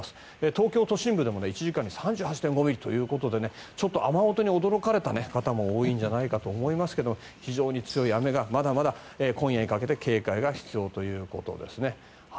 東京都心部でも１時間に３８．５ミリということで雨音に驚かれた方も多いんじゃないかと思いますが非常に強い雨がまだまだ今夜にかけて警戒が必要ということですね。